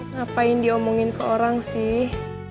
ngapain diomongin ke orang sih